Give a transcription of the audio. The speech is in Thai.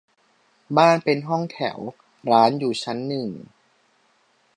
บ้านเป็นห้องแถว ร้านอยู่ชั้นหนึ่ง